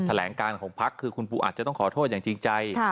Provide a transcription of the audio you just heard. แถลงการของพักคือคุณปูอาจจะต้องขอโทษอย่างจริงใจ